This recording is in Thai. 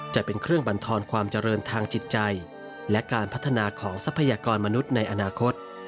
จะเป็นเครื่องบรรทอนความเจริญทางจิตใจและการพัฒนาของทรัพยากรมนุษย์ในอนาคต